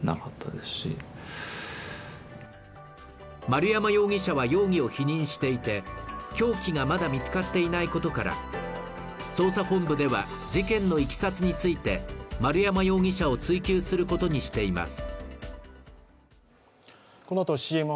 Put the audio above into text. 丸山容疑者は容疑を否認していて、凶器がまだ見つかっていないことから捜査本部では事件のいきさつについて丸山容疑者を追及することにしています。